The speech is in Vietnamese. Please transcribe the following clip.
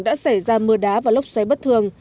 đã xảy ra mưa đá và lốc xoáy bất thường